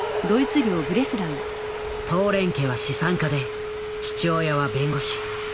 トーレン家は資産家で父親は弁護士。